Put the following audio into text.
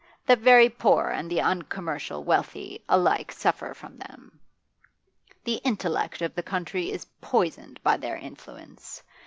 The very poor and the uncommercial wealthy alike suffer from them; the intellect of the country is poisoned by their influence.